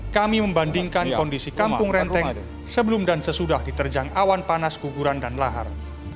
kami membandingkan kondisi kampung renteng sebelum dan sesudah diterjang awan panas guguran dan lahar